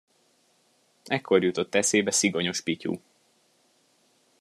Ekkor jutott eszébe Szigonyos Pityu.